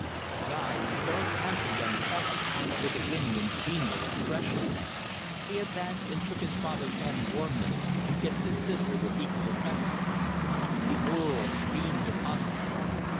Guy was a very handsome young fellow, with a winning and genial expression. He advanced and shook his father's hand warmly, and kissed his sister with equal affection. The Earl beamed upon him.